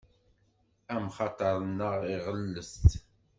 Amxaṭer-nneɣ iɣellet.